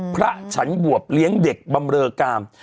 พระฉันบวบเลี้ยงเด็กบำเรอกาม